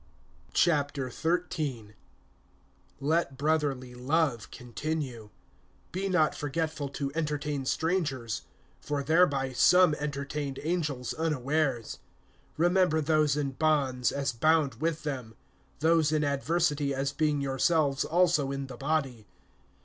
XIII. LET brotherly love continue. (2)Be not forgetful to entertain strangers; for thereby some entertained angels unawares. (3)Remember those in bonds, as bound with them; those in adversity, as being yourselves also in the body.